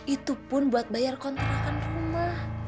itu pun buat bayar kontrakan rumah